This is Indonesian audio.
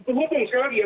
berhubung sekali lagi ya